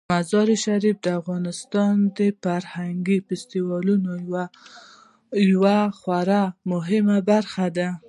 مزارشریف د افغانستان د فرهنګي فستیوالونو یوه خورا مهمه برخه ده.